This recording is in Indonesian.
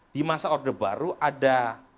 di masa orde baru ada